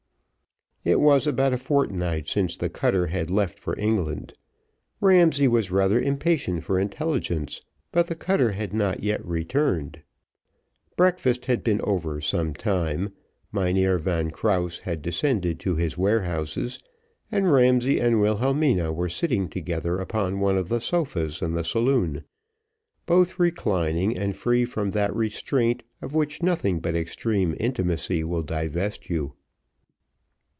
It was about a fortnight since the cutter had left for England. Ramsay was rather impatient for intelligence, but the cutter had not yet returned. Breakfast had been over some time, Mynheer Van Krause had descended to his warehouses, and Ramsay and Wilhelmina were sitting together upon one of the sofas in the saloon, both reclining and free from that restraint of which nothing but extreme intimacy will divest you.